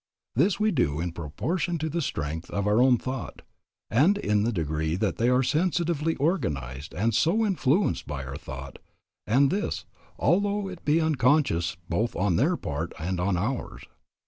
This we do in proportion to the strength of our own thought, and in the degree that they are sensitively organized and so influenced by our thought, and this, although it be unconscious both on their part and on ours.